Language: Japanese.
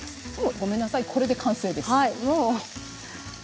ごめんなさい、これで完成です。